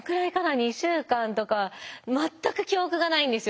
２週間とか全く記憶がないんですよ。